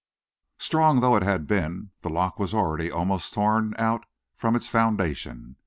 Strong though it had been, the lock was already almost torn out from its foundation.